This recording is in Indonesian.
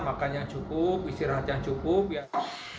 makan yang cukup istirahat yang cukup ya